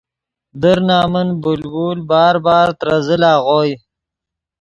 در نمن بلبل بار بار ترے زل اغوئے